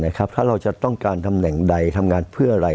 ถ้าเราจะต้องการตำแหน่งใดทำงานเพื่ออะไร